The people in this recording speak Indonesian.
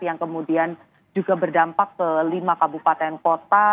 yang kemudian juga berdampak ke lima kabupaten kota